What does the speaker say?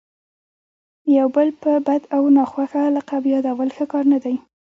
یو بل په بد او ناخوښه لقب یادول ښه کار نه دئ.